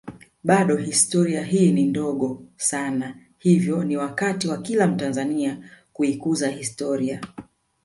Bado historia hii ni ndogo sana hivyo ni wakati wa kila mtanzania kuikuza historia